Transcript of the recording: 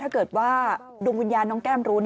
ถ้าวิญญาณน้องแก๋มรู้